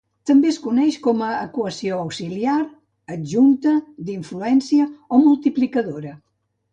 També es coneix com a equació "auxiliar", "adjunta", "d'influència" o "multiplicadora".